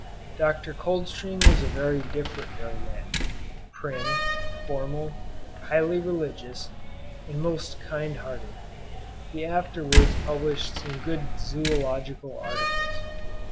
Dr. Coldstream was a very different young man, prim, formal, highly religious, and most kind hearted; he afterwards published some good zoological articles.